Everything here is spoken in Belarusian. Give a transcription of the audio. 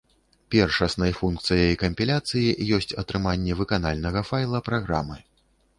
Першаснай функцыяй кампіляцыі ёсць атрыманне выканальнага файла праграмы.